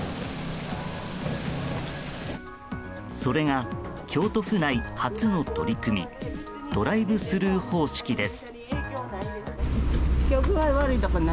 それが、京都府内初の取り組みドライブスルー方式です。